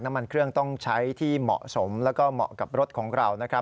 น้ำมันเครื่องต้องใช้ที่เหมาะสมแล้วก็เหมาะกับรถของเรานะครับ